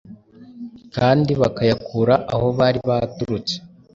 kandi bakayakura aho bari baturutse.